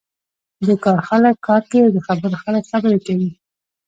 د کار خلک کار کوی او د خبرو خلک خبرې کوی.